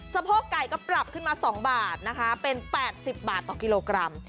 สะโพกไก่ก็ปรับขึ้นมา๒บาทนะคะเป็น๘๐บาทต่อกิโลกรัม